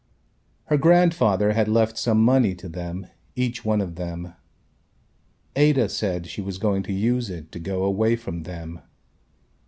Her grandfather had left some money to them each one of them. Ada said she was going to use it to go away from them.